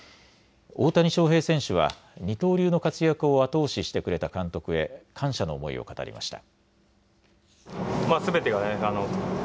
大谷翔平選手は二刀流の活躍を後押ししてくれた監督へ感謝の思いを語りました。